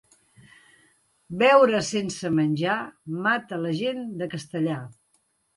Beure sense menjar, mata la gent de Castellar.